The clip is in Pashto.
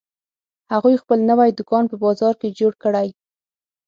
هغوی خپل نوی دوکان په بازار کې جوړ کړی